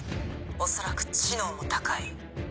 恐らく知能も高い。